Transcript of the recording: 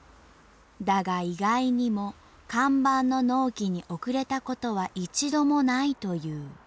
だが意外にも看板の納期に遅れたことは一度もないという。